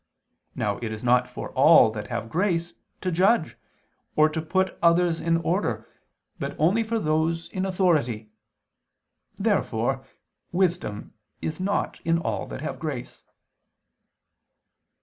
Now it is not for all that have grace, to judge, or put others in order, but only for those in authority. Therefore wisdom is not in all that have grace.